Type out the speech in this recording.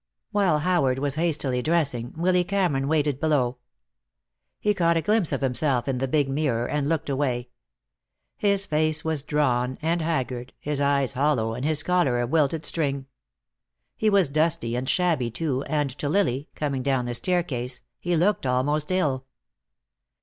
While Howard was hastily dressing, Willy Cameron waited below. He caught a glimpse of himself in the big mirror and looked away. His face was drawn and haggard, his eyes hollow and his collar a wilted string. He was dusty and shabby, too, and to Lily, coming down the staircase, he looked almost ill.